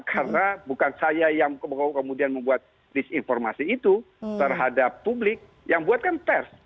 karena bukan saya yang kemudian membuat disinformasi itu terhadap publik yang buatkan pers